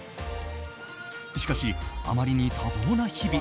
しかし、あまりに多忙な日々。